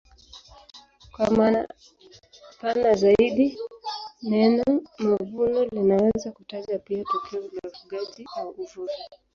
Kwa maana pana zaidi neno mavuno linaweza kutaja pia tokeo la ufugaji au uvuvi.